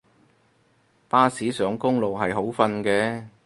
巴士上公路係好瞓嘅